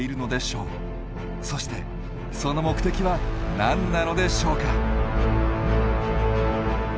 そしてその目的は何なのでしょうか？